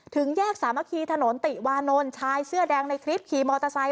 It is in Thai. ถึงแยกสามัคคีถนนติวานนท์ชายเสื้อแดงในคลิปขี่มอเตอร์ไซค